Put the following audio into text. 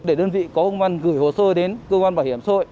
để đơn vị có công văn gửi hồ sơ đến cơ quan bảo hiểm xã hội